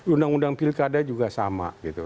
undang undang pilkada juga sama gitu